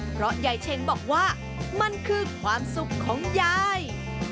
เพราะยายเชงบอกว่ามันคือความสุขของยาย